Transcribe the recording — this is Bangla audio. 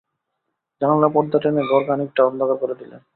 জানালার পর্দা টেনে ঘর খানিকটা অন্ধকার করে দিলেন।